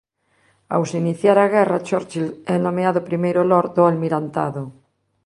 Ao se iniciar a guerra Churchill é nomeado Primeiro Lord do Almirantado.